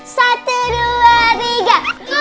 satu dua tiga